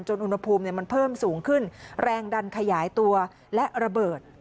อุณหภูมิมันเพิ่มสูงขึ้นแรงดันขยายตัวและระเบิด